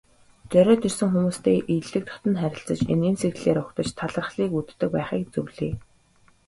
Зориод ирсэн хүмүүстэй эелдэг дотно харилцаж, инээмсэглэлээр угтаж, талархлаар үддэг байхыг зөвлөе.